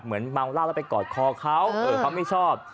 เหมือนมอกล่าเราไปกอดคอเขาเขาไม่ชอบ